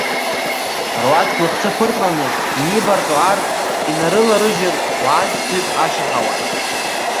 Руаӡәк лыхцәы ԥыртланы, инибарҵәо ар инарылалыжьыр уаа-зқьҩык ашьаҳауан.